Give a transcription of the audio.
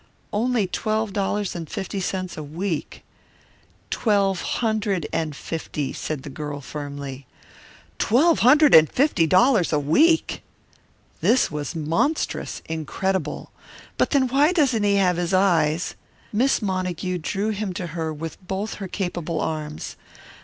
"Only twelve dollars and fifty cents a week!" "Twelve hundred and fifty," said the girl firmly. "Twelve hundred and fifty dollars a week!" This was monstrous, incredible. "But then why doesn't he have his eyes " Miss Montague drew him to her with both her capable arms.